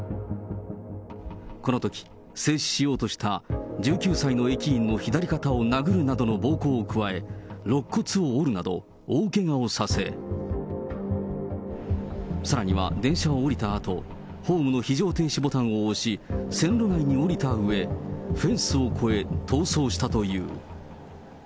このとき、制止しようとした１９歳の駅員の左肩を殴るなどの暴行を加え、ろっ骨を折るなど、大けがをさせ、さらには電車を降りたあと、ホームの非常停止ボタンを押し、線路内に降りたうえ、フェンスを越え、逃走したという。